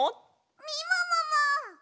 みももも！